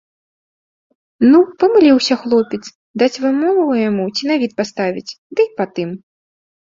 Ну, памыліўся хлопец, даць вымову яму ці на від паставіць, ды і па тым.